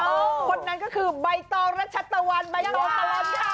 คนนั้นก็คือใบตองรัชตะวันใบตองตลอดข่าว